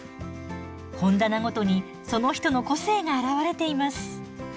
本棚ごとにその人の個性が表れています。